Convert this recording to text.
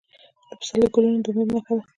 د پسرلي ګلونه د امید نښه ده.